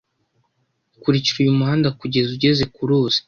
Kurikira uyu muhanda kugeza ugeze ku ruzi.